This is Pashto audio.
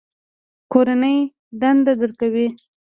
کورنۍ دنده درکوي؟